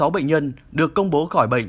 một mươi sáu bệnh nhân được công bố khỏi bệnh